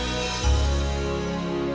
aku harus tahu kenapa miet